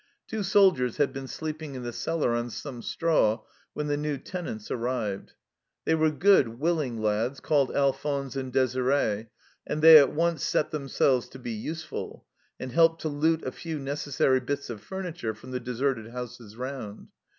Two soldiers had been sleep ing in the cellar on some straw when the new tenants arrived. They were good, willing lads, called Alphonse and Desire', and they at once set themselves to be useful, and helped to loot a few necessary bits of furniture from the deserted houses round.